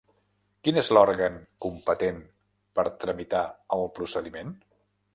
Quin és l'òrgan competent per tramitar el procediment?